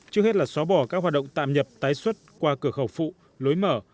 trước hết là xóa bỏ các hoạt động tạm nhập tái xuất qua cửa khẩu phụ lối mở